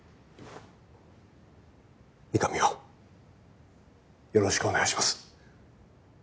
御神をよろしくお願いします。